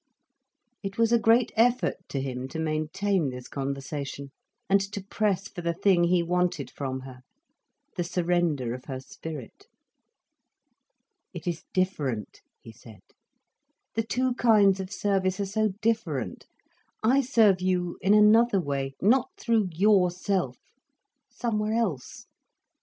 It was a great effort to him to maintain this conversation, and to press for the thing he wanted from her, the surrender of her spirit. "It is different," he said. "The two kinds of service are so different. I serve you in another way—not through yourself—somewhere else.